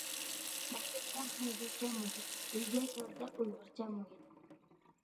مەكتەپتە خەنزۇچە مۇھىت، ئۆيىگە كەلسە ئۇيغۇرچە مۇھىت.